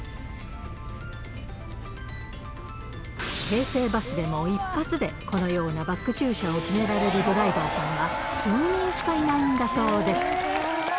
京成バスでも一発でこのようなバック駐車を決められるドライバーさんは、数人しかいないんだそうです。